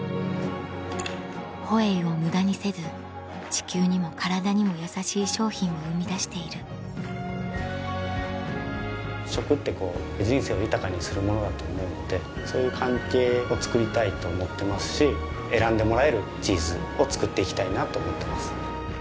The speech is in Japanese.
ホエイを無駄にせず地球にも体にも優しい商品を生み出している「食」って人生を豊かにするものだと思うのでそういう関係を作りたいと思ってますし選んでもらえるチーズを作って行きたいなと思ってます。